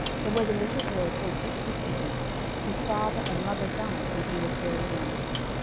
there was a little boy called Dick Whittington, whose father and mother died when he was very young.